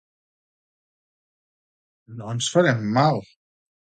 —No ens farem mal?